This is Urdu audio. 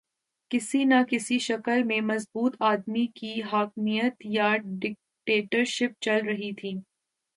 کسی نہ کسی شکل میں مضبوط آدمی کی حاکمیت یا ڈکٹیٹرشپ چل رہی تھی۔